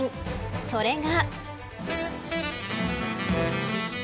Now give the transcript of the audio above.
それが。